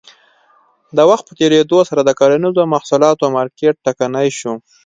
د وخت په تېرېدو سره د کرنیزو محصولاتو مارکېټ ټکنی شو.